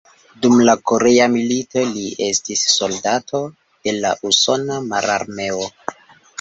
Dum la korea milito li estis soldato de la usona mararmeo.